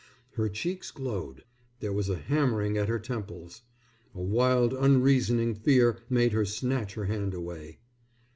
Her cheeks glowed. There was a hammering at her temples. A wild unreasoning fear made her snatch her hand away.